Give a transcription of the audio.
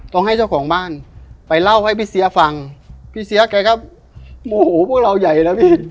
ต้องให้เจ้าของบ้านไปเล่าให้พี่เสียฟังพี่เสียแกก็โมโหพวกเราใหญ่แล้วพี่